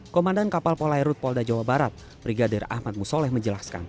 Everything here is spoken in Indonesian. komandan kapal polairut polda jawa barat brigadir ahmad musoleh menjelaskan